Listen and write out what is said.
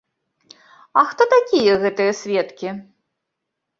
А хто такія гэтыя сведкі?